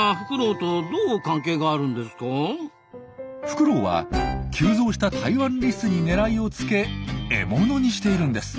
フクロウは急増したタイワンリスに狙いをつけ獲物にしているんです。